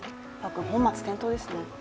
本末転倒ですね。